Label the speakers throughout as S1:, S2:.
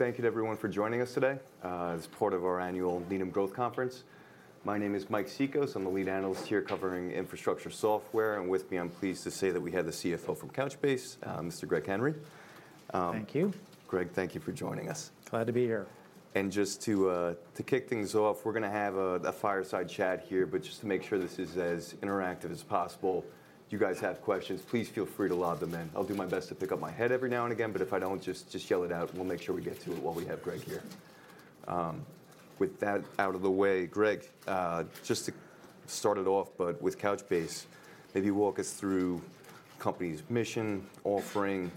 S1: Thank you to everyone for joining us today, as part of our annual Needham Growth Conference. My name is Mike Cikos. I'm the lead analyst here covering infrastructure software, and with me, I'm pleased to say that we have the Chief Financial Officer from Couchbase, Mr. Greg Henry.
S2: Thank you.
S1: Greg, thank you for joining us.
S2: Glad to be here.
S1: And just to kick things off, we're gonna have a fireside chat here, but just to make sure this is as interactive as possible, if you guys have questions, please feel free to lob them in. I'll do my best to pick up my head every now and again, but if I don't, just yell it out, and we'll make sure we get to it while we have Greg here. With that out of the way, Greg, just to start it off, but with Couchbase, maybe walk us through company's mission, offering,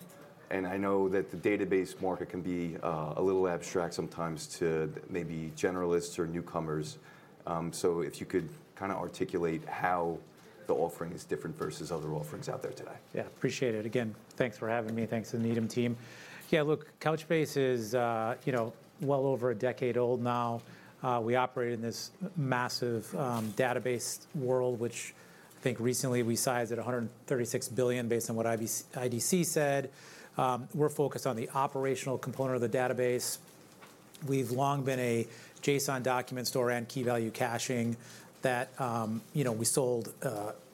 S1: and I know that the database market can be a little abstract sometimes to maybe generalists or newcomers. So if you could kinda articulate how the offering is different versus other offerings out there today.
S2: Yeah, appreciate it. Again, thanks for having me, thanks to the Needham team. Yeah, look, Couchbase is, you know, well over a decade old now. We operate in this massive database world, which I think recently we sized at $136 billion, based on what IDC said. We're focused on the operational component of the database. We've long been a JSON document store and key-value caching that, you know, we sold,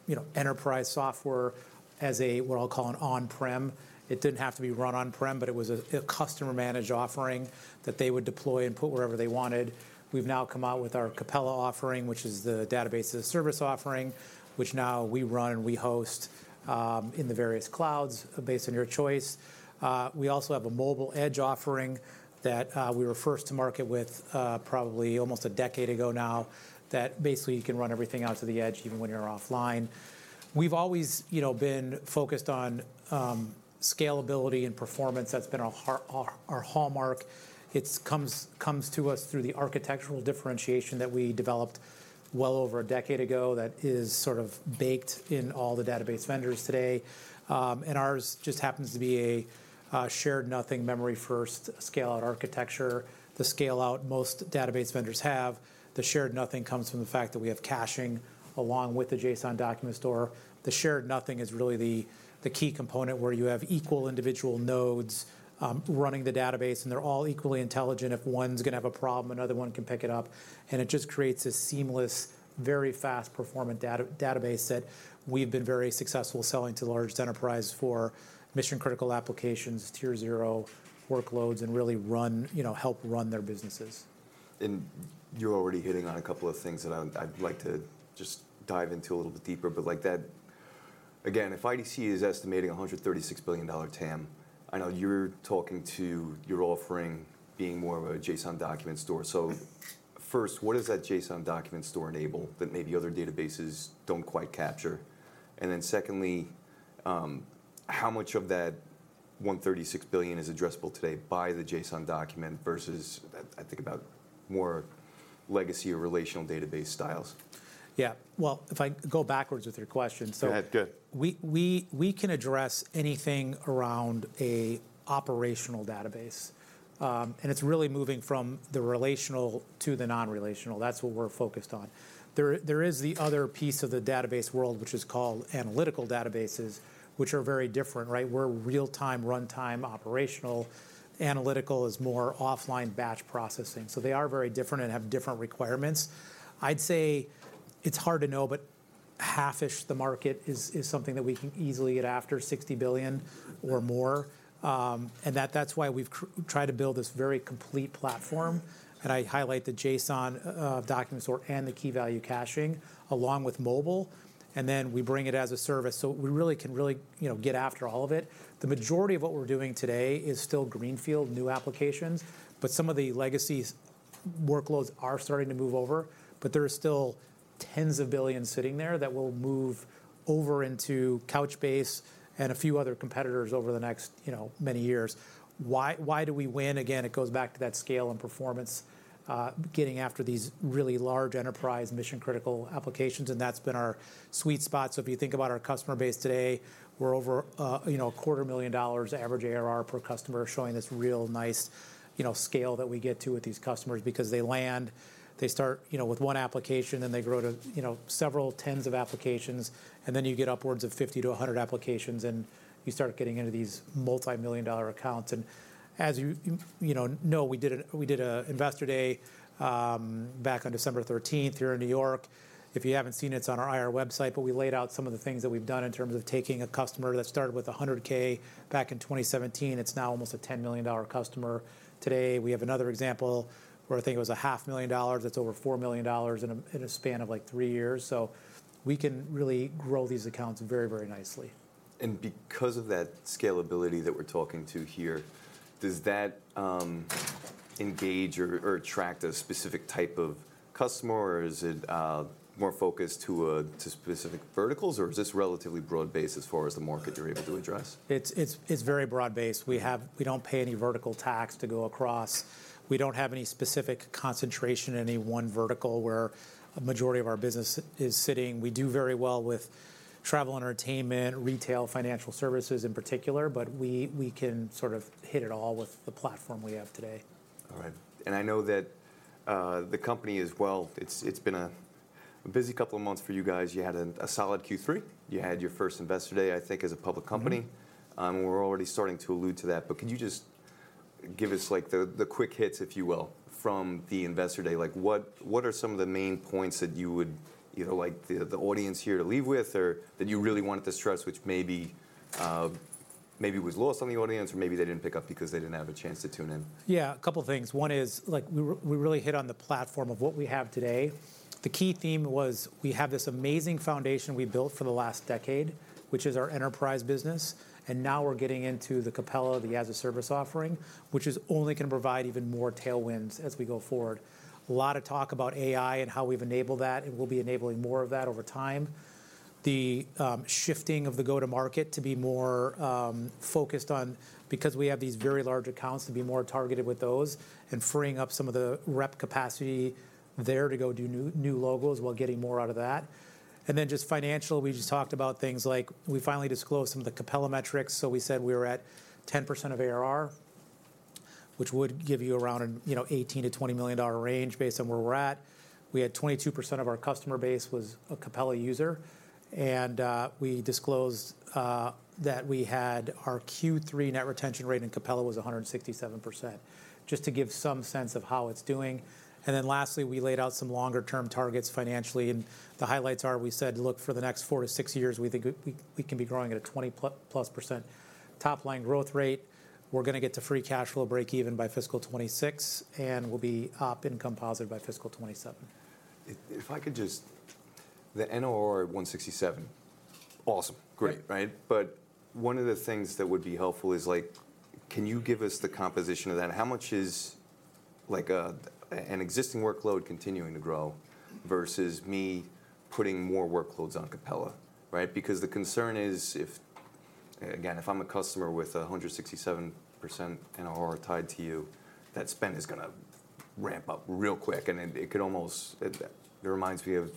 S2: you know, enterprise software as a, what I'll call an on-prem. It didn't have to be run on-prem, but it was a customer-managed offering that they would deploy and put wherever they wanted. We've now come out with our Capella offering, which is the Database as a Service offering, which now we run and we host in the various clouds, based on your choice. We also have a mobile edge offering that we were first to market with, probably almost a decade ago now, that basically you can run everything out to the edge, even when you're offline. We've always, you know, been focused on scalability and performance. That's been our hallmark. It comes to us through the architectural differentiation that we developed well over a decade ago, that is sort of baked in all the database vendors today. And ours just happens to be a shared-nothing, memory-first scale-out architecture. The scale-out most database vendors have, the shared-nothing comes from the fact that we have caching along with the JSON document store. The shared-nothing is really the key component where you have equal individual nodes running the database, and they're all equally intelligent. If one's gonna have a problem, another one can pick it up, and it just creates a seamless, very fast performant database that we've been very successful selling to large enterprise for mission-critical applications, tier zero workloads, and really run, you know, help run their businesses.
S1: You're already hitting on a couple of things that I'd, I'd like to just dive into a little bit deeper, but like that... Again, if IDC is estimating a $136 billion TAM, I know you're talking to your offering being more of a JSON document store. So first, what does that JSON document store enable that maybe other databases don't quite capture? And then secondly, how much of that $136 billion is addressable today by the JSON document versus, I think about more legacy or relational database styles?
S2: Yeah. Well, if I go backwards with your question, so-
S1: Go ahead. Good.
S2: We can address anything around an operational database. And it's really moving from the relational to the non-relational. That's what we're focused on. There is the other piece of the database world, which is called analytical databases, which are very different, right? We're real-time, runtime, operational. Analytical is more offline batch processing. So they are very different and have different requirements. I'd say it's hard to know, but half-ish the market is something that we can easily get after, $60 billion or more. And that's why we've tried to build this very complete platform, and I highlight the JSON document store and the key-value caching, along with mobile, and then we bring it as a service. So we really can really, you know, get after all of it. The majority of what we're doing today is still greenfield new applications, but some of the legacy workloads are starting to move over, but there are still tens of billions sitting there that will move over into Couchbase and a few other competitors over the next, you know, many years. Why, why do we win? Again, it goes back to that scale and performance, getting after these really large enterprise mission-critical applications, and that's been our sweet spot. So if you think about our customer base today, we're over, you know, $250,000 average ARR per customer, showing this real nice, you know, scale that we get to with these customers. Because they land, they start, you know, with one application, and they grow to, you know, several tens of applications, and then you get upwards of 50 to 100 applications, and you start getting into these multi-million-dollar accounts. As you know, we did an Investor Day back on December 13th here in New York. If you haven't seen it, it's on our IR website, but we laid out some of the things that we've done in terms of taking a customer that started with $100K back in 2017; it's now almost a $10 million customer today. We have another example where I think it was $500,000; that's over $4 million in a span of, like, three years. So we can really grow these accounts very, very nicely.
S1: Because of that scalability that we're talking to here, does that engage or attract a specific type of customer, or is it more focused to a specific verticals, or is this relatively broad-based as far as the market you're able to address?
S2: It's very broad-based. We don't pay any vertical tax to go across. We don't have any specific concentration in any one vertical where a majority of our business is sitting. We do very well with travel, entertainment, retail, financial services in particular, but we can sort of hit it all with the platform we have today.
S1: All right. And I know that the company as well, it's been a busy couple of months for you guys. You had a solid Q3. You had your first Investor Day, I think, as a public company. We're already starting to allude to that, but could you just give us, like, the, the quick hits, if you will, from the Investor Day? Like, what, what are some of the main points that you would, you know, like the, the audience here to leave with, or that you really wanted to stress, which maybe, maybe was lost on the audience, or maybe they didn't pick up because they didn't have a chance to tune in?
S2: Yeah, a couple things. One is, like, we really hit on the platform of what we have today. The key theme was, we have this amazing foundation we built for the last decade, which is our enterprise business, and now we're getting into the Capella, the as-a-service offering, which is only gonna provide even more tailwinds as we go forward. A lot of talk about AI and how we've enabled that, and we'll be enabling more of that over time. The shifting of the go-to-market to be more focused on, because we have these very large accounts, to be more targeted with those, and freeing up some of the rep capacity there to go do new, new logos while getting more out of that. Then, just financial, we just talked about things like we finally disclosed some of the Capella metrics, so we said we were at 10% of ARR, which would give you around an, you know, $18 million to $20 million range based on where we're at. We had 22% of our customer base was a Capella user, and we disclosed that we had our Q3 net retention rate in Capella was 167%, just to give some sense of how it's doing. Then lastly, we laid out some longer term targets financially, and the highlights are, we said, look, for the next four to six years, we think we, we, we can be growing at a 20%+ top-line growth rate. We're gonna get to free cash flow break even by fiscal 2026, and we'll be op income positive by fiscal 2027.
S1: The NRR at 167, awesome.
S2: Yeah.
S1: Great, right? But one of the things that would be helpful is, like, can you give us the composition of that? How much is, like, an existing workload continuing to grow versus me putting more workloads on Capella, right? Because the concern is, if, again, if I'm a customer with 167% NRR tied to you, that spend is gonna ramp up real quick, and it could almost... It reminds me of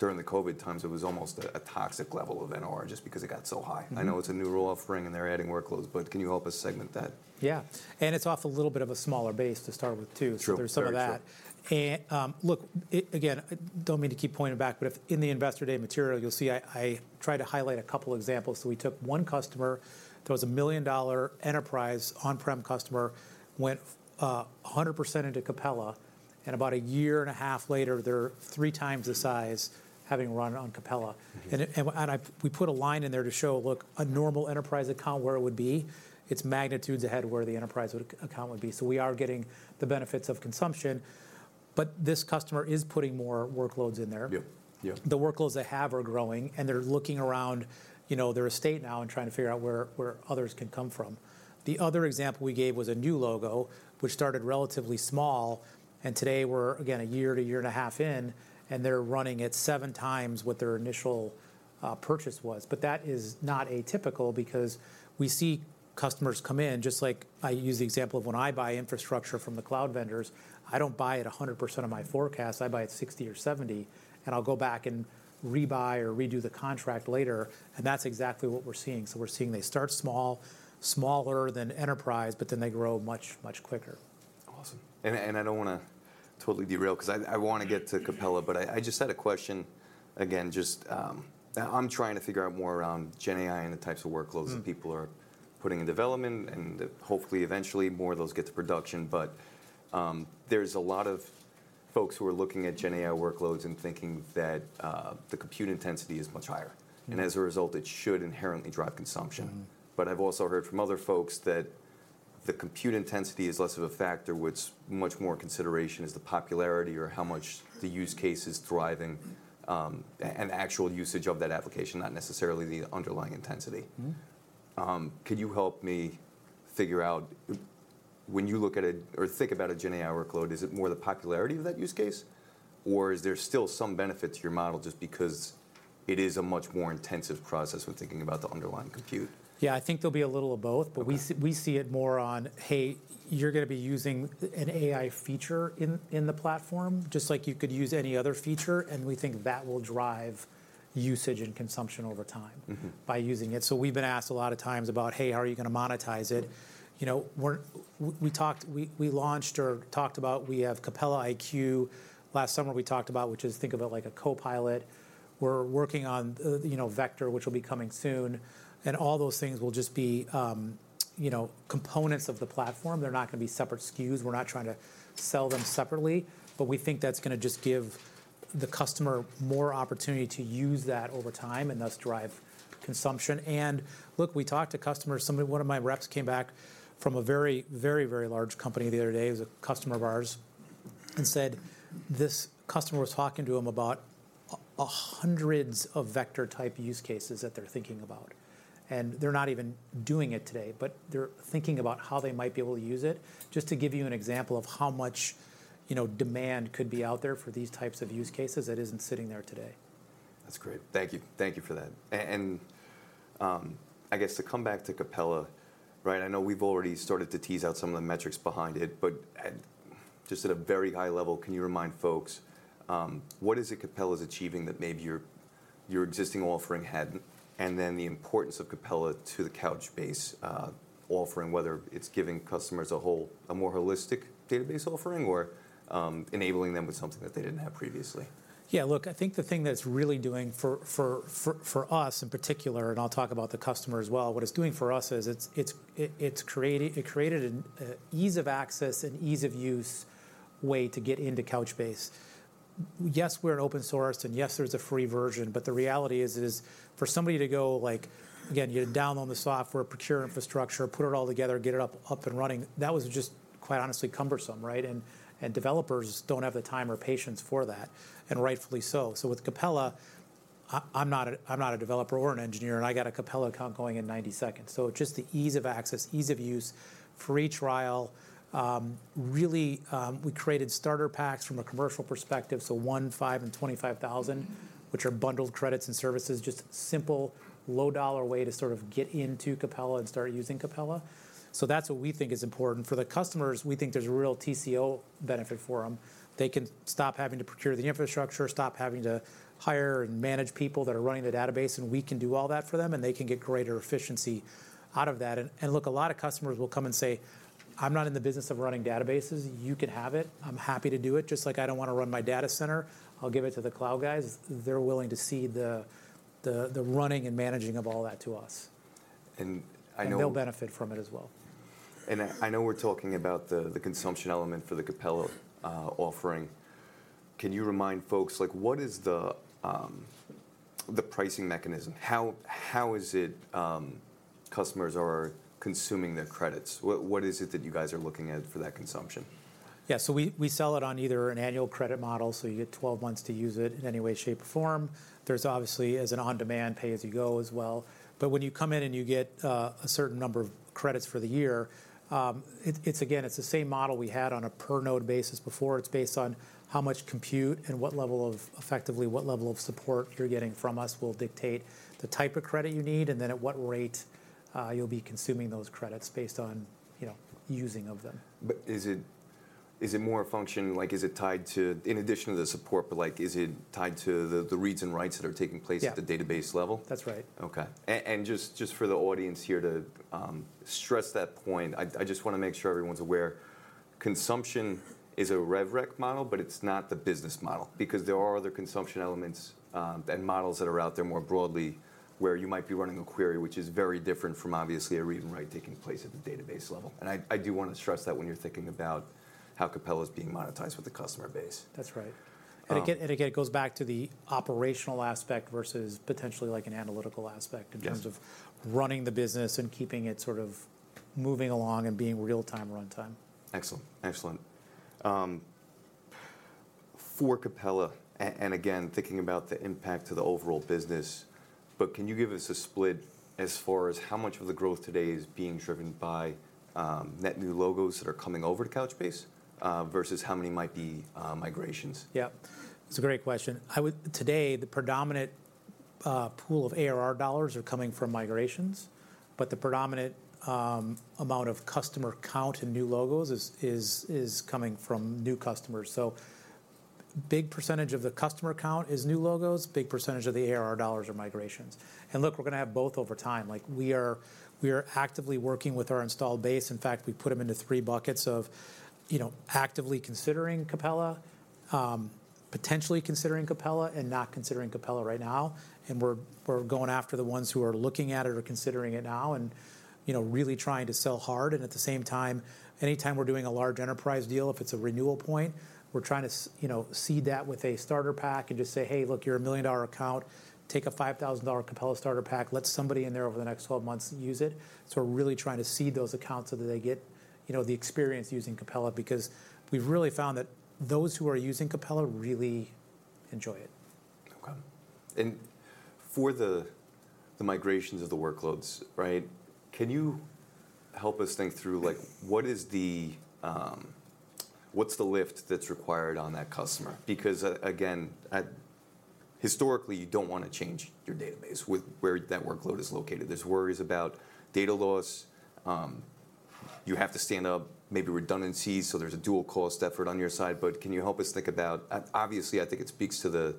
S1: during the COVID times, it was almost a toxic level of NRR just because it got so high. I know it's a new offering and they're adding workloads, but can you help us segment that?
S2: Yeah. It's off a little bit of a smaller base to start with, too.
S1: True.
S2: There's some of that.
S1: Very true.
S2: And, look, again, I don't mean to keep pointing back, but if in the Investor Day material, you'll see I tried to highlight a couple examples. So we took one customer, that was a million-dollar enterprise, on-prem customer, went 100% into Capella, and about a year and a half later, they're three times the size, having run on Capella. And we've put a line in there to show, look, a normal enterprise account, where it would be. It's magnitudes ahead where the enterprise account would be. So we are getting the benefits of consumption, but this customer is putting more workloads in there.
S1: Yep. Yeah.
S2: The workloads they have are growing, and they're looking around, you know, their estate now and trying to figure out where, where others can come from. The other example we gave was a new logo, which started relatively small, and today we're, again, a year to a year and a half in, and they're running at seven times what their initial purchase was. But that is not atypical, because we see customers come in, just like I use the example of when I buy infrastructure from the cloud vendors, I don't buy at 100% of my forecast, I buy at 60 or 70, and I'll go back and rebuy or redo the contract later, and that's exactly what we're seeing. So we're seeing they start small, smaller than enterprise, but then they grow much, much quicker.
S1: Awesome. And I don't wanna totally derail, 'cause I wanna get to Capella, but I just had a question again, just, I'm trying to figure out more around gen AI and the types of workloads that people are putting in development, and hopefully, eventually, more of those get to production. But, there's a lot of folks who are looking at gen AI workloads and thinking that, the compute intensity is much higher. As a result, it should inherently drive consumption But I've also heard from other folks that the compute intensity is less of a factor, with much more consideration is the popularity or how much the use case is thriving, and actual usage of that application, not necessarily the underlying intensity. Could you help me figure out, when you look at a or think about a gen AI workload, is it more the popularity of that use case, or is there still some benefit to your model just because it is a much more intensive process when thinking about the underlying compute?
S2: Yeah, I think there'll be a little of both-
S1: Okay...
S2: but we see, we see it more on, hey, you're gonna be using an AI feature in, in the platform, just like you could use any other feature, and we think that will drive usage and consumption over time. by using it. So we've been asked a lot of times about, "Hey, how are you gonna monetize it?" You know, we're, we talked, we launched or talked about, we have Capella iQ. Last summer, we talked about, which is, think of it like a copilot. We're working on, you know, Vector, which will be coming soon, and all those things will just be, you know, components of the platform. They're not gonna be separate SKUs. We're not trying to sell them separately, but we think that's gonna just give the customer more opportunity to use that over time and thus drive consumption. And look, we talked to customers. One of my reps came back from a very, very, very large company the other day, he's a customer of ours, and said this customer was talking to him about hundreds of vector-type use cases that they're thinking about. They're not even doing it today, but they're thinking about how they might be able to use it. Just to give you an example of how much, you know, demand could be out there for these types of use cases that isn't sitting there today.
S1: That's great. Thank you, thank you for that. I guess to come back to Capella, right? I know we've already started to tease out some of the metrics behind it, but just at a very high level, can you remind folks what is it Capella is achieving that maybe your existing offering had, and then the importance of Capella to the Couchbase offering, whether it's giving customers a whole, a more holistic database offering or enabling them with something that they didn't have previously?
S2: Yeah, look, I think the thing that it's really doing for us in particular, and I'll talk about the customer as well, what it's doing for us is it's creating—it created an ease of access and ease of use way to get into Couchbase. Yes, we're an open source, and yes, there's a free version, but the reality is, for somebody to go, like, again, you download the software, procure infrastructure, put it all together, get it up and running, that was just, quite honestly, cumbersome, right? And developers don't have the time or patience for that, and rightfully so. So with Capella, I'm not a developer or an engineer, and I got a Capella account going in 90 seconds. So just the ease of access, ease of use, free trial, we created starter packs from a commercial perspective, so $1,000, $5,000, and $25,000, which are bundled credits and services. Just simple, low dollar way to sort of get into Capella and start using Capella. So that's what we think is important. For the customers, we think there's a real TCO benefit for them. They can stop having to procure the infrastructure, stop having to hire and manage people that are running the database, and we can do all that for them, and they can get greater efficiency out of that. And look, a lot of customers will come and say, "I'm not in the business of running databases. You can have it. I'm happy to do it. Just like I don't want to run my data center, I'll give it to the cloud guys." They're willing to cede the running and managing of all that to us.
S1: And I know-
S2: They'll benefit from it as well.
S1: I know we're talking about the consumption element for the Capella offering. Can you remind folks, like, what is the pricing mechanism? How is it customers are consuming their credits? What is it that you guys are looking at for that consumption?
S2: Yeah. So we sell it on either an annual credit model, so you get 12 months to use it in any way, shape, or form. There's obviously an on-demand, pay-as-you-go as well. But when you come in and you get a certain number of credits for the year, it's again, it's the same model we had on a per node basis before. It's based on how much compute and what level of... effectively what level of support you're getting from us will dictate the type of credit you need, and then at what rate you'll be consuming those credits based on, you know, using of them.
S1: But is it more a function, like is it tied to, in addition to the support, but like, is it tied to the reads and writes that are taking place?
S2: Yeah...
S1: at the database level?
S2: That's right.
S1: Okay. And just for the audience here, to stress that point, I just wanna make sure everyone's aware, consumption is a rev rec model, but it's not the business model. Because there are other consumption elements and models that are out there more broadly, where you might be running a query, which is very different from obviously a read and write taking place at the database level. And I do wanna stress that when you're thinking about how Capella is being monetized with the customer base.
S2: That's right.
S1: Um-
S2: And again, and again, it goes back to the operational aspect versus potentially like an analytical aspect-
S1: Yes...
S2: in terms of running the business and keeping it sort of moving along and being real time, runtime.
S1: Excellent. Excellent. For Capella, and again, thinking about the impact to the overall business, but can you give us a split as far as how much of the growth today is being driven by net new logos that are coming over to Couchbase versus how many might be migrations?
S2: Yeah, it's a great question. Today, the predominant pool of ARR dollars are coming from migrations, but the predominant amount of customer count and new logos is coming from new customers. So big percentage of the customer count is new logos, big percentage of the ARR dollars are migrations. And look, we're gonna have both over time. Like, we are actively working with our installed base. In fact, we put them into three buckets of, you know, actively considering Capella, potentially considering Capella, and not considering Capella right now. And we're going after the ones who are looking at it or considering it now and, you know, really trying to sell hard. At the same time, anytime we're doing a large enterprise deal, if it's a renewal point, we're trying to you know, seed that with a starter pack and just say, "Hey, look, you're a million-dollar account. Take a $5,000 Capella starter pack. Let somebody in there over the next 12 months use it." So we're really trying to seed those accounts so that they get, you know, the experience using Capella, because we've really found that those who are using Capella really enjoy it.
S1: Okay. And for the migrations of the workloads, right? Can you help us think through, like, what's the lift that's required on that customer? Because again, historically, you don't wanna change your database with where that workload is located. There's worries about data loss. You have to stand up maybe redundancies, so there's a dual cost effort on your side. But can you help us think about... Obviously, I think it speaks to the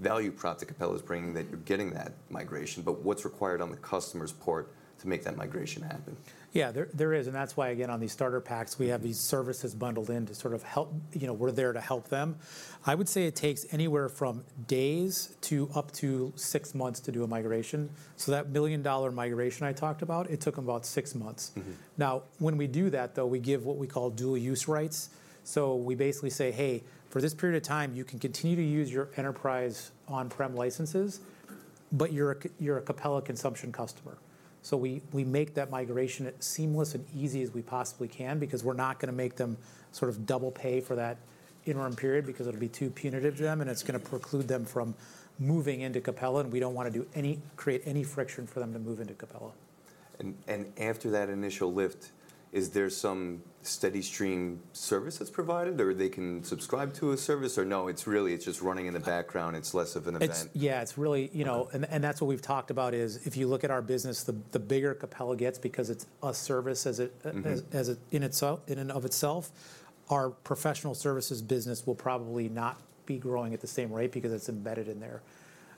S1: value prop that Capella is bringing, that you're getting that migration, but what's required on the customer's part to make that migration happen?
S2: Yeah, there is, and that's why, again, on these starter packs, we have these services bundled in to sort of help... You know, we're there to help them. I would say it takes anywhere from days to up to six months to do a migration. So that million-dollar migration I talked about, it took them about six months. Now, when we do that, though, we give what we call dual use rights. So we basically say, "Hey, for this period of time, you can continue to use your enterprise on-prem licenses, but you're a Capella consumption customer." So we make that migration as seamless and easy as we possibly can because we're not gonna make them sort of double pay for that interim period, because it'll be too punitive to them, and it's gonna preclude them from moving into Capella, and we don't wanna create any friction for them to move into Capella.
S1: After that initial lift, is there some steady stream service that's provided, or they can subscribe to a service? Or no, it's really, it's just running in the background, it's less of an event?
S2: Yeah, it's really, you know,
S1: Okay
S2: And that's what we've talked about, is if you look at our business, the bigger Capella gets because it's a service as it, as it, in itself, in and of itself, our professional services business will probably not be growing at the same rate because it's embedded in there.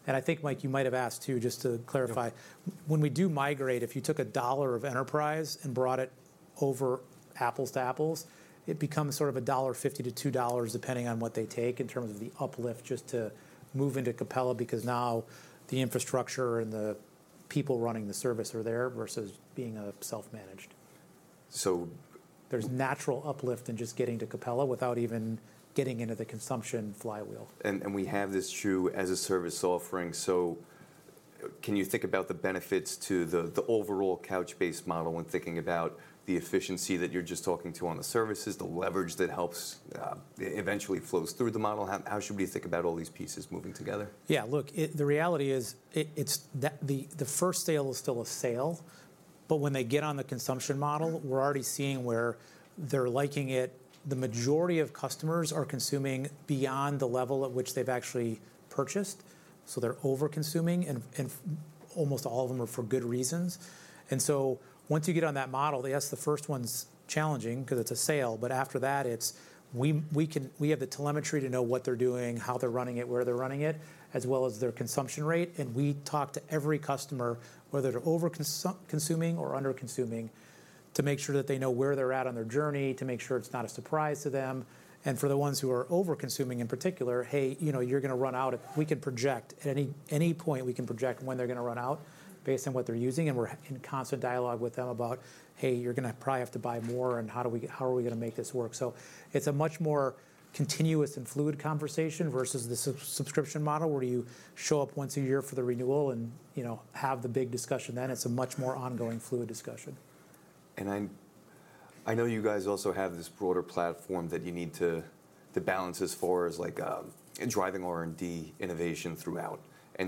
S2: I think, Mike, you might have asked too, just to clarify.
S1: Yeah.
S2: When we do migrate, if you took a dollar of enterprise and brought it over apples to apples, it becomes sort of a $1.50 to $2, depending on what they take in terms of the uplift, just to move into Capella, because now the infrastructure and the people running the service are there versus being a self-managed.
S1: So-
S2: There's natural uplift in just getting to Capella without even getting into the consumption flywheel.
S1: And we have this true as-a-service offering, so can you think about the benefits to the overall Couchbase model when thinking about the efficiency that you're just talking to on the services, the leverage that helps eventually flows through the model? How should we think about all these pieces moving together?
S2: Yeah, look, the reality is, the first sale is still a sale, but when they get on the consumption model-we're already seeing where they're liking it. The majority of customers are consuming beyond the level at which they've actually purchased, so they're overconsuming, and almost all of them are for good reasons. And so once you get on that model, yes, the first one's challenging 'cause it's a sale, but after that, it's we can. We have the telemetry to know what they're doing, how they're running it, where they're running it, as well as their consumption rate. And we talk to every customer, whether they're overconsuming or underconsuming, to make sure that they know where they're at on their journey, to make sure it's not a surprise to them. For the ones who are overconsuming, in particular, "Hey, you know, you're gonna run out." We can project at any, any point we can project when they're gonna run out based on what they're using, and we're in constant dialogue with them about, "Hey, you're gonna probably have to buy more, and how are we gonna make this work?" So it's a much more continuous and fluid conversation versus the subscription model, where you show up once a year for the renewal and, you know, have the big discussion then. It's a much more ongoing, fluid discussion.
S1: I know you guys also have this broader platform that you need to balance as far as, like, driving R&D innovation throughout.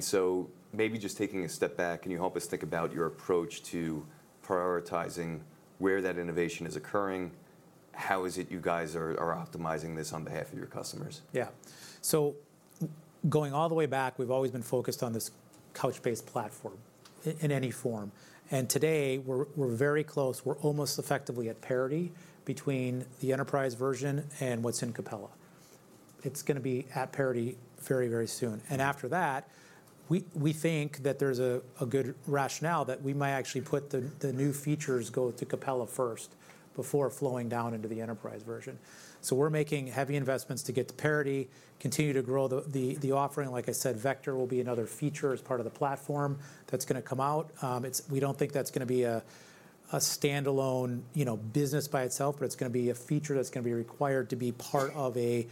S1: So maybe just taking a step back, can you help us think about your approach to prioritizing where that innovation is occurring? How is it you guys are optimizing this on behalf of your customers?
S2: Yeah. So going all the way back, we've always been focused on this Couchbase platform, in any form. And today we're very close. We're almost effectively at parity between the enterprise version and what's in Capella. It's gonna be at parity very, very soon, and after that, we think that there's a good rationale that we might actually put the new features go to Capella first before flowing down into the enterprise version. So we're making heavy investments to get to parity, continue to grow the offering. Like I said, Vector will be another feature as part of the platform that's gonna come out. It's we don't think that's gonna be a standalone, you know, business by itself, but it's gonna be a feature that's gonna be required to be part of a,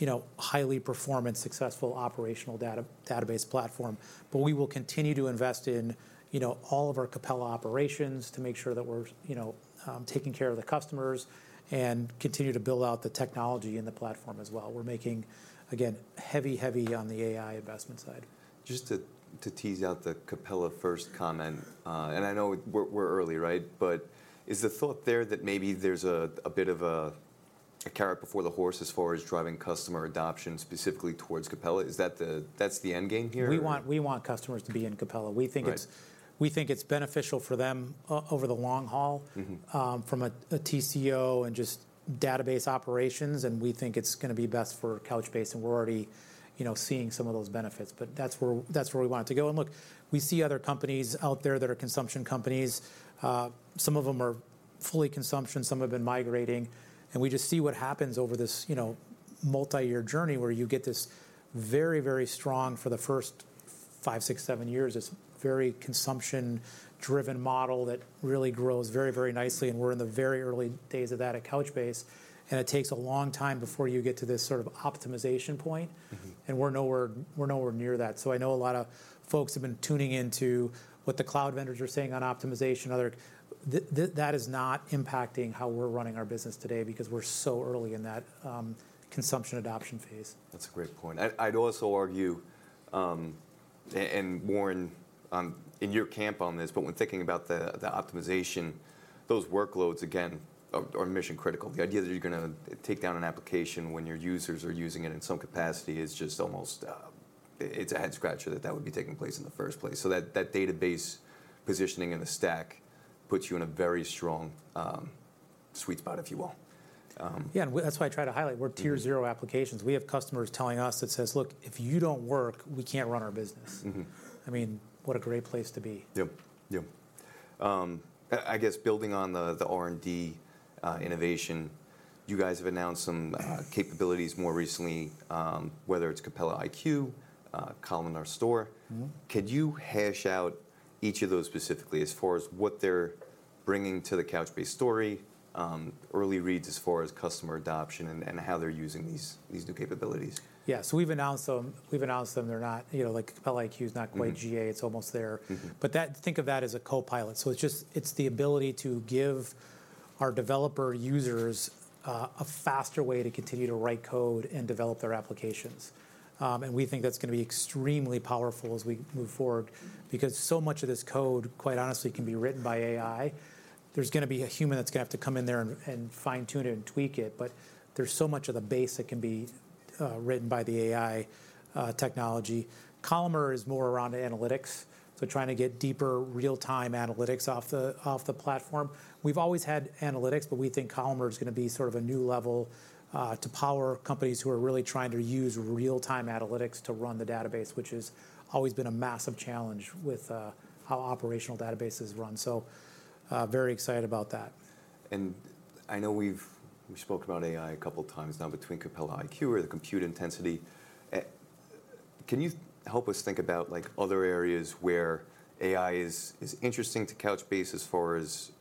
S2: you know, highly performant, successful operational database platform. But we will continue to invest in, you know, all of our Capella operations to make sure that we're, you know, taking care of the customers and continue to build out the technology in the platform as well. We're making, again, heavy, heavy on the AI investment side.
S1: Just to tease out the Capella first comment. And I know we're early, right? But is the thought there that maybe there's a bit of a carrot before the horse as far as driving customer adoption, specifically towards Capella? Is that the—that's the end game here?
S2: We want customers to be in Capella.
S1: Right.
S2: We think it's beneficial for them over the long haul. from a TCO and just database operations, and we think it's gonna be best for Couchbase, and we're already, you know, seeing some of those benefits. But that's where, that's where we want it to go. And look, we see other companies out there that are consumption companies. Some of them are fully consumption, some have been migrating, and we just see what happens over this, you know, multi-year journey, where you get this very, very strong for the first five, six, seven years. This very consumption-driven model that really grows very, very nicely, and we're in the very early days of that at Couchbase, and it takes a long time before you get to this sort of optimization point. We're nowhere, we're nowhere near that. So I know a lot of folks have been tuning in to what the cloud vendors are saying on optimization and other. that is not impacting how we're running our business today because we're so early in that, consumption adoption phase.
S1: That's a great point. I'd also argue, and Warren, I'm in your camp on this, but when thinking about the optimization, those workloads, again, are mission-critical. The idea that you're gonna take down an application when your users are using it in some capacity is just almost. It's a head-scratcher that that would be taking place in the first place. So that database positioning in the stack puts you in a very strong sweet spot, if you will.
S2: Yeah, and that's why I try to highlight we're tier zero applications. We have customers telling us that says, "Look, if you don't work, we can't run our business. I mean, what a great place to be.
S1: Yep, yep. I guess building on the R&D innovation, you guys have announced some capabilities more recently, whether it's Capella iQ, Columnar Store. Could you hash out each of those specifically as far as what they're bringing to the Couchbase story, early reads as far as customer adoption and how they're using these new capabilities?
S2: Yeah. So we've announced them, we've announced them. They're not, you know, like Capella iQ is not quite- GA. It's almost there. But that—think of that as a copilot. So it's just—it's the ability to give our developer users a faster way to continue to write code and develop their applications. And we think that's gonna be extremely powerful as we move forward because so much of this code, quite honestly, can be written by AI. There's gonna be a human that's gonna have to come in there and fine-tune it and tweak it, but there's so much of the base that can be written by the AI technology. Columnar is more around analytics, so trying to get deeper real-time analytics off the platform. We've always had analytics, but we think Columnar is going to be sort of a new level, to power companies who are really trying to use real-time analytics to run the database, which has always been a massive challenge with how operational databases run. So, very excited about that.
S1: I know we've spoke about AI a couple of times now between Capella iQ or the compute intensity. Can you help us think about, like, other areas where AI is interesting to Couchbase as far as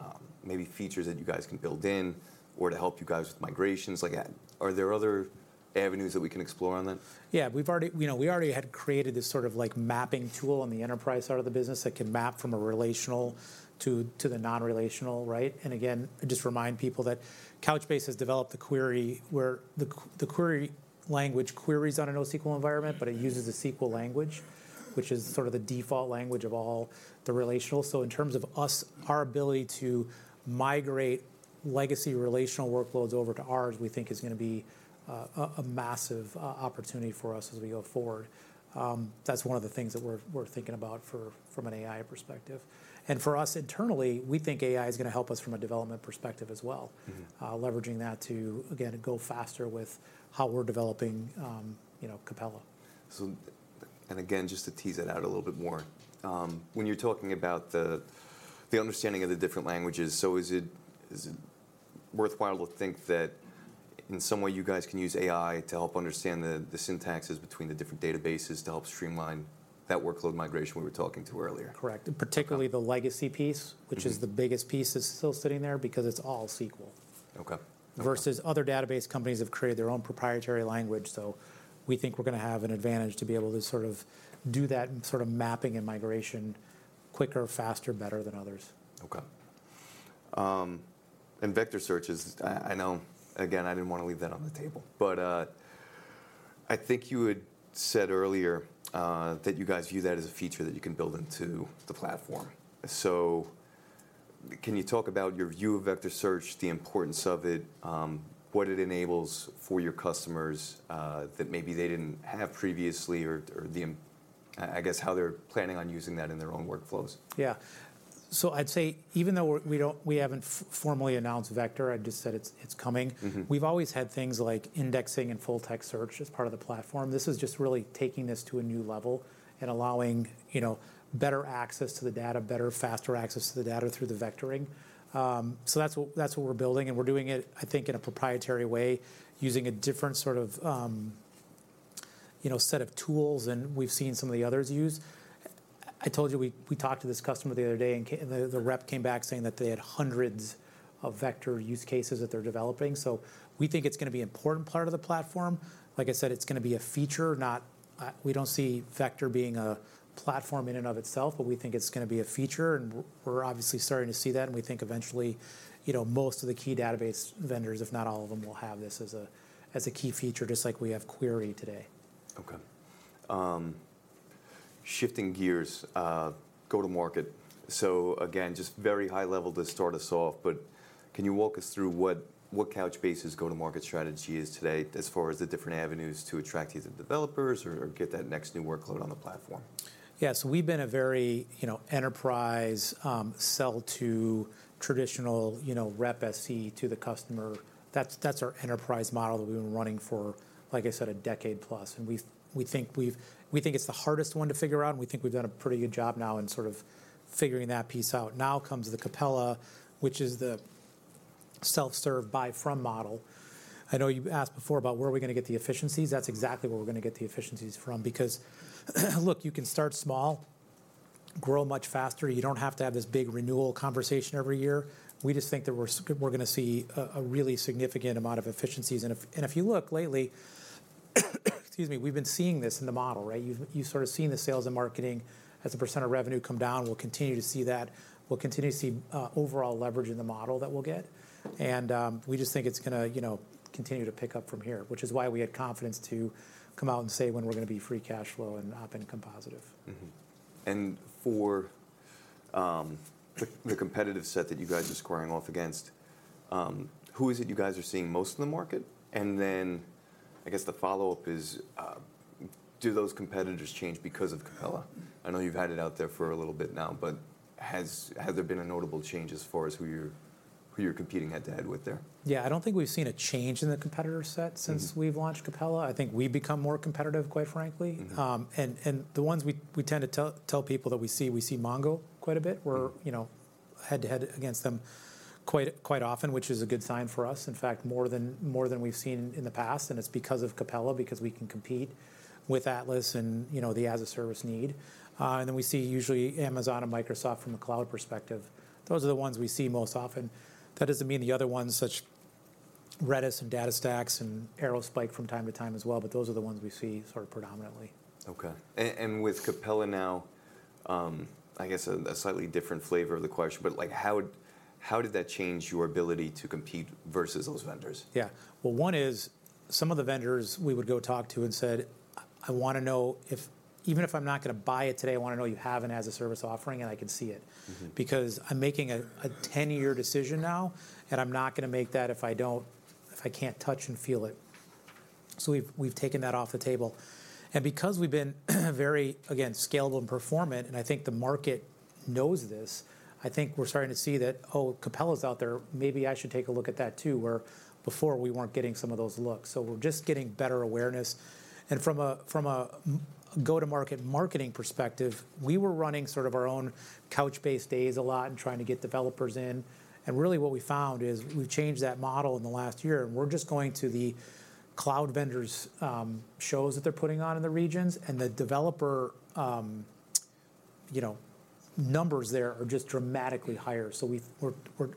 S1: maybe features that you guys can build in or to help you guys with migrations? Like, are there other avenues that we can explore on that?
S2: Yeah, you know, we already had created this sort of like mapping tool on the enterprise side of the business that can map from a relational to the non-relational, right? And again, just remind people that Couchbase has developed the query where the query language queries on a NoSQL environment, but it uses a SQL language, which is sort of the default language of all the relational. So in terms of us, our ability to migrate legacy relational workloads over to ours, we think is going to be a massive opportunity for us as we go forward. That's one of the things that we're thinking about from an AI perspective. And for us internally, we think AI is going to help us from a development perspective as well. Leveraging that to, again, go faster with how we're developing, you know, Capella.
S1: And again, just to tease that out a little bit more, when you're talking about the understanding of the different languages, so is it worthwhile to think that in some way you guys can use AI to help understand the syntaxes between the different databases to help streamline that workload migration we were talking about earlier?
S2: Correct.
S1: Okay.
S2: Particularly the legacy piece, which is the biggest piece, that's still sitting there because it's all SQL.
S1: Okay.
S2: Versus other database companies have created their own proprietary language. So we think we're going to have an advantage to be able to sort of do that sort of mapping and migration quicker, faster, better than others.
S1: Okay. And vector searches, I know, again, I didn't want to leave that on the table, but I think you had said earlier that you guys view that as a feature that you can build into the platform. So can you talk about your view of vector search, the importance of it, what it enables for your customers, that maybe they didn't have previously or the importance, I guess, how they're planning on using that in their own workflows?
S2: Yeah. So I'd say even though we haven't formally announced vector, I just said it's coming-... we've always had things like indexing and full text search as part of the platform. This is just really taking this to a new level and allowing, you know, better access to the data, better, faster access to the data through the vectors. So that's what, that's what we're building, and we're doing it, I think, in a proprietary way, using a different sort of, you know, set of tools than we've seen some of the others use. I told you, we talked to this customer the other day, and the rep came back saying that they had hundreds of vector use cases that they're developing. So we think it's going to be an important part of the platform. Like I said, it's going to be a feature, not. We don't see vector being a platform in and of itself, but we think it's going to be a feature, and we're obviously starting to see that, and we think eventually, you know, most of the key database vendors, if not all of them, will have this as a, as a key feature, just like we have Query today.
S1: Okay. Shifting gears, go-to-market. So again, just very high level to start us off, but can you walk us through what Couchbase's go-to-market strategy is today as far as the different avenues to attract either developers or get that next new workload on the platform?
S2: Yeah. So we've been a very, you know, enterprise, sell to traditional, you know, rep SE to the customer. That's our enterprise model that we've been running for, like I said, a decade plus, and we think it's the hardest one to figure out, and we think we've done a pretty good job now in sort of figuring that piece out. Now comes the Capella, which is the self-serve buy from model. I know you asked before about where are we going to get the efficiencies, that's exactly where we're going to get the efficiencies from. Because, look, you can start small, grow much faster. You don't have to have this big renewal conversation every year. We just think that we're going to see a really significant amount of efficiencies. If you look lately, excuse me, we've been seeing this in the model, right? You've sort of seen the sales and marketing as a percent of revenue come down. We'll continue to see that. We'll continue to see overall leverage in the model that we'll get. And we just think it's going to, you know, continue to pick up from here, which is why we had confidence to come out and say when we're going to be free cash flow and operating income positive.
S1: Mm-hmm. And for the competitive set that you guys are squaring off against, who is it you guys are seeing most in the market? And then I guess the follow-up is, do those competitors change because of Capella? I know you've had it out there for a little bit now, but has there been a notable change as far as who you're competing head-to-head with there?
S2: Yeah, I don't think we've seen a change in the competitor set since we've launched Capella. I think we've become more competitive, quite frankly. The ones we tend to tell people that we see Mongo quite a bit. We're, you know, head-to-head against them quite, quite often, which is a good sign for us. In fact, more than, more than we've seen in the past, and it's because of Capella, because we can compete with Atlas and, you know, the as-a-service need. And then we see usually Amazon and Microsoft from a cloud perspective. Those are the ones we see most often. That doesn't mean the other ones, such as Redis and DataStax and Aerospike from time to time as well, but those are the ones we see sort of predominantly.
S1: Okay. And with Capella now, I guess a slightly different flavor of the question, but like, how would- how did that change your ability to compete versus those vendors?
S2: Yeah. Well, one is, some of the vendors we would go talk to and I wanna know if, even if I'm not gonna buy it today, I wanna know you have it as a service offering, and I can see it. Because I'm making a 10-year decision now, and I'm not gonna make that if I can't touch and feel it. So we've taken that off the table. And because we've been very, again, scalable and performant, and I think the market knows this, I think we're starting to see that, "Oh, Capella's out there, maybe I should take a look at that, too." Where before we weren't getting some of those looks. So we're just getting better awareness. From a go-to-market marketing perspective, we were running sort of our own Couchbase Days a lot and trying to get developers in, and really what we found is we've changed that model in the last year, and we're just going to the cloud vendors' shows that they're putting on in the regions, and the developer you know numbers there are just dramatically higher. So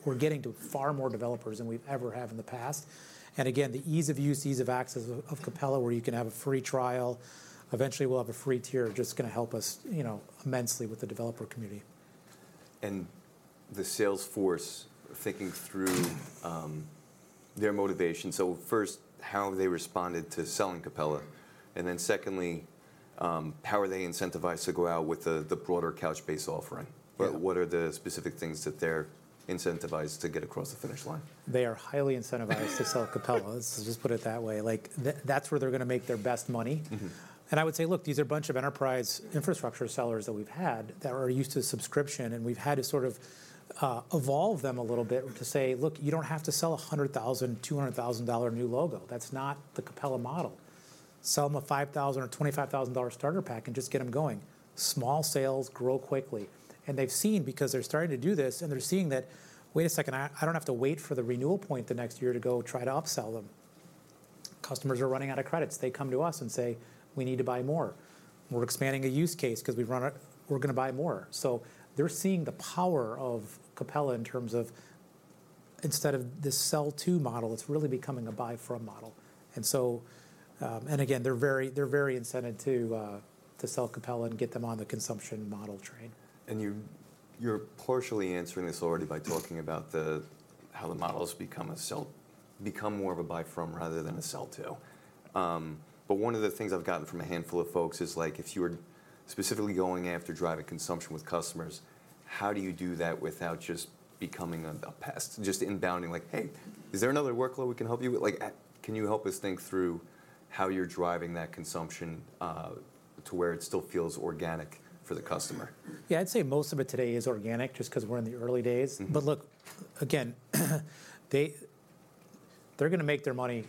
S2: we're getting to far more developers than we've ever have in the past. And again, the ease of use, ease of access of Capella, where you can have a free trial, eventually we'll have a free tier, just gonna help us you know immensely with the developer community.
S1: And the sales force thinking through their motivation. So first, how have they responded to selling Capella? And then secondly, how are they incentivized to go out with the broader Couchbase offering?
S2: Yeah.
S1: What, what are the specific things that they're incentivized to get across the finish line?
S2: They are highly incentivized to sell Capella, let's just put it that way. Like, that's where they're gonna make their best money. And I would say, look, these are a bunch of enterprise infrastructure sellers that we've had that are used to subscription, and we've had to sort of, evolve them a little bit to say: Look, you don't have to sell a $100,000-$200,000 new logo. That's not the Capella model. Sell them a $5,000 or $25,000 starter pack and just get them going. Small sales grow quickly. And they've seen... Because they're starting to do this, and they're seeing that, "Wait a second, I, I don't have to wait for the renewal point the next year to go try to upsell them." Customers are running out of credits. They come to us and say, "We need to buy more. We're expanding a use case 'cause we've run out. We're gonna buy more." So they're seeing the power of Capella in terms of instead of this sell to model, it's really becoming a buy from model. And so, and again, they're very, they're very incented to sell Capella and get them on the consumption model train.
S1: And you, you're partially answering this already by talking about the, how the model's become a sell-- become more of a buy from rather than a sell to. But one of the things I've gotten from a handful of folks is, like, if you are specifically going after driving consumption with customers, how do you do that without just becoming a, a pest? Just inbounding like: "Hey, is there another workload we can help you with?" Like, can you help us think through how you're driving that consumption, to where it still feels organic for the customer?
S2: Yeah, I'd say most of it today is organic, just 'cause we're in the early days. But look, again, they're gonna make their money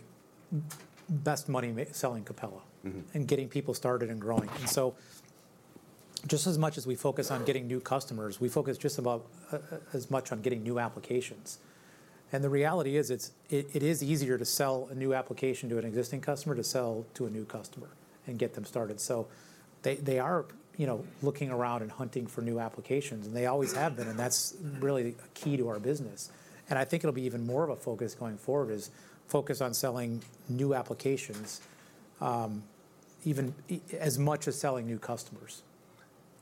S2: selling Capella, and getting people started and growing. And so just as much as we focus on getting new customers, we focus just about as much on getting new applications. And the reality is, it is easier to sell a new application to an existing customer than sell to a new customer and get them started. So they are, you know, looking around and hunting for new applications, and they always have been, and that's really a key to our business. I think it'll be even more of a focus going forward, is focus on selling new applications, even as much as selling new customers.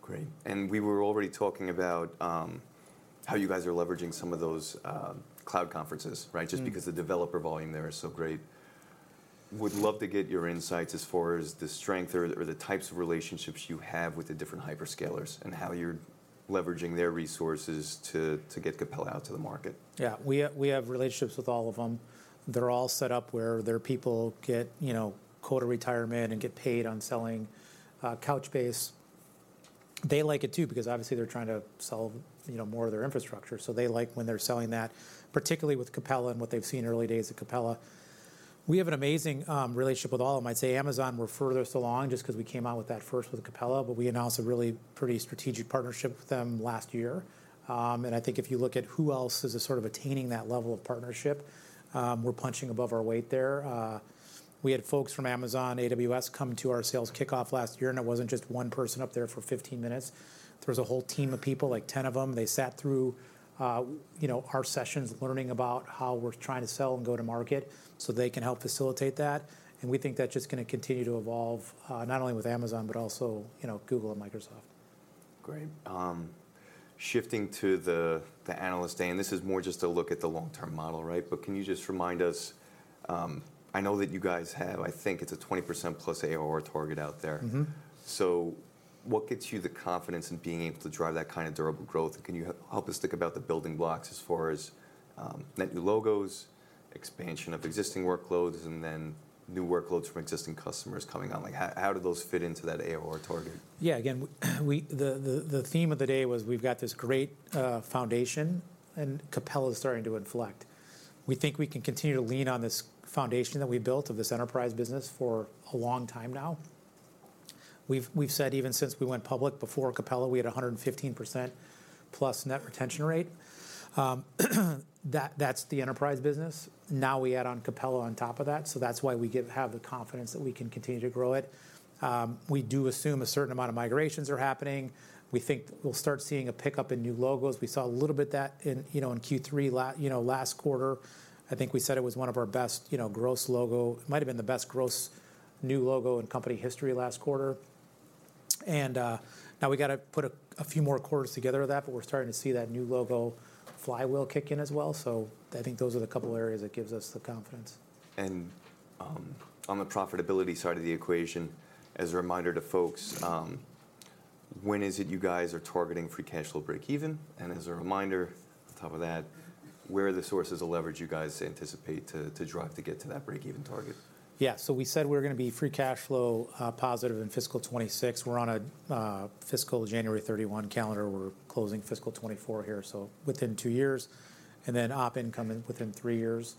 S1: Great. We were already talking about how you guys are leveraging some of those cloud conferences, right? Just because the developer volume there is so great. Would love to get your insights as far as the strength or the types of relationships you have with the different hyperscalers, and how you're leveraging their resources to get Capella out to the market?
S2: Yeah, we have relationships with all of them. They're all set up where their people get, you know, quota retirement and get paid on selling Couchbase. They like it, too, because obviously they're trying to sell, you know, more of their infrastructure. So they like when they're selling that, particularly with Capella and what they've seen early days at Capella. We have an amazing relationship with all of them. I'd say Amazon, we're further along just 'cause we came out with that first with Capella, but we announced a really pretty strategic partnership with them last year. And I think if you look at who else is sort of attaining that level of partnership, we're punching above our weight there. We had folks from Amazon, AWS, come to our sales kickoff last year, and it wasn't just one person up there for 15 minutes. There was a whole team of people, like 10 of them. They sat through, you know, our sessions, learning about how we're trying to sell and go to market so they can help facilitate that, and we think that's just gonna continue to evolve, not only with Amazon, but also, you know, Google and Microsoft.
S1: Great. Shifting to the analyst day, and this is more just a look at the long-term model, right? But can you just remind us? I know that you guys have, I think, it's a 20%+ ARR target out there. So what gets you the confidence in being able to drive that kind of durable growth? And can you help us think about the building blocks as far as, net new logos, expansion of existing workloads, and then new workloads from existing customers coming on? Like, how do those fit into that ARR target?
S2: Yeah, again, we—the theme of the day was we've got this great foundation, and Capella is starting to inflect. We think we can continue to lean on this foundation that we built of this enterprise business for a long time now. We've said even since we went public, before Capella, we had 115%+ net retention rate. That's the enterprise business. Now, we add on Capella on top of that, so that's why we have the confidence that we can continue to grow it. We do assume a certain amount of migrations are happening. We think we'll start seeing a pickup in new logos. We saw a little bit of that in, you know, in Q3, you know, last quarter. I think we said it was one of our best, you know, gross logo. It might have been the best gross new logo in company history last quarter. And now we gotta put a few more quarters together of that, but we're starting to see that new logo flywheel kick in as well. So I think those are the couple of areas that gives us the confidence.
S1: And, on the profitability side of the equation, as a reminder to folks, when is it you guys are targeting free cash flow breakeven? And as a reminder, on top of that, where are the sources of leverage you guys anticipate to drive to get to that breakeven target?
S2: Yeah. So we said we're gonna be free cash flow positive in fiscal 2026. We're on a fiscal January 31 calendar. We're closing fiscal 2024 here, so within two years, and then op income within three years,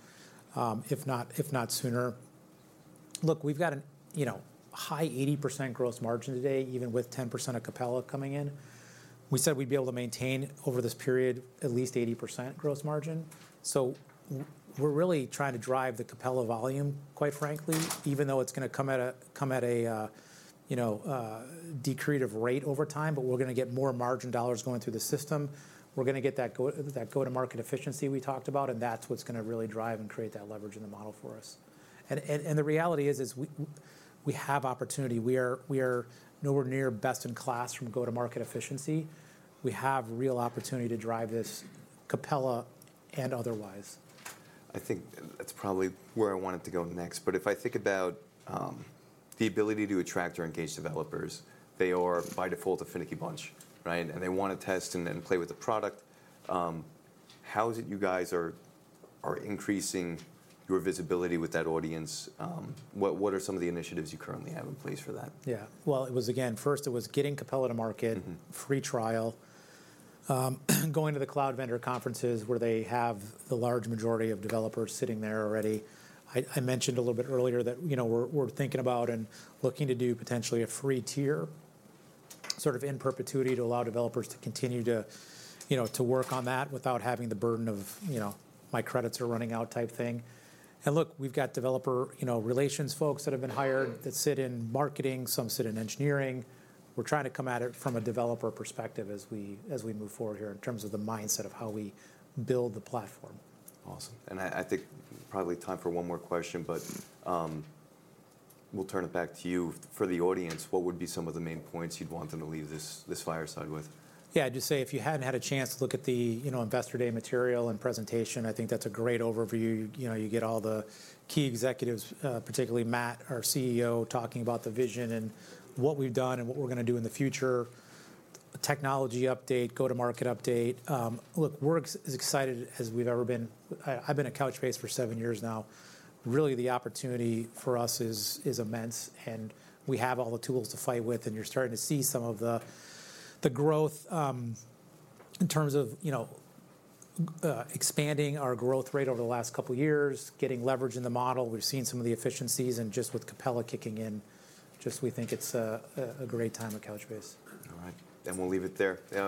S2: if not sooner. Look, we've got a, you know, high 80% gross margin today, even with 10% of Capella coming in. We said we'd be able to maintain over this period at least 80% gross margin. So we're really trying to drive the Capella volume, quite frankly, even though it's gonna come at a, come at a, you know, a decelerating rate over time, but we're gonna get more margin dollars going through the system. We're gonna get that go-to-market efficiency we talked about, and that's what's gonna really drive and create that leverage in the model for us. And the reality is, we have opportunity. We are nowhere near best-in-class from go-to-market efficiency. We have real opportunity to drive this Capella and otherwise.
S1: I think that's probably where I wanted to go next. But if I think about the ability to attract or engage developers, they are by default a finicky bunch, right? And they wanna test and then play with the product. How is it you guys are increasing your visibility with that audience? What are some of the initiatives you currently have in place for that?
S2: Yeah. Well, it was, again, first it was getting Capella to market- free trial, going to the cloud vendor conferences, where they have the large majority of developers sitting there already. I mentioned a little bit earlier that, you know, we're thinking about and looking to do potentially a free tier, sort of in perpetuity, to allow developers to continue to, you know, to work on that without having the burden of, you know, my credits are running out, type thing. And look, we've got developer, you know, relations folks that have been hired, that sit in marketing, some sit in engineering. We're trying to come at it from a developer perspective as we move forward here, in terms of the mindset of how we build the platform.
S1: Awesome. I think probably time for one more question, but we'll turn it back to you. For the audience, what would be some of the main points you'd want them to leave this fireside with?
S2: Yeah, I'd just say, if you hadn't had a chance to look at the, you know, Investor Day material and presentation, I think that's a great overview. You know, you get all the key executives, particularly Matt, our Chief Executive Officer, talking about the vision and what we've done and what we're gonna do in the future. A technology update, go-to-market update. Look, we're as excited as we've ever been. I've been at Couchbase for seven years now. Really, the opportunity for us is immense, and we have all the tools to fight with, and you're starting to see some of the growth in terms of, you know, expanding our growth rate over the last couple of years, getting leverage in the model. We've seen some of the efficiencies, and just with Capella kicking in, just we think it's a great time at Couchbase.
S1: All right, then we'll leave it there. Thank you.